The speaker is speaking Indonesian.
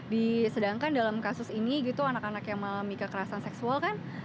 di sedangkan dalam kasus ini gitu anak anak yang mengalami kekerasan seksual kan